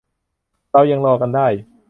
เรายังรอกันได้